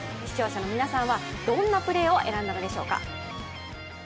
視聴者の皆さんはどんなプレーを選んだのでしょうか。